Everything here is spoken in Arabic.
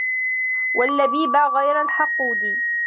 وَاللَّبِيبَ غَيْرَ الْحَقُودِ